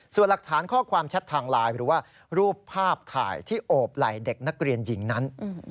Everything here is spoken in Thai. ส่วนหลักฐานข้อความแชททางไลน์หรือว่ารูปภาพถ่ายที่โอบไหล่เด็กนักเรียนหญิงนั้น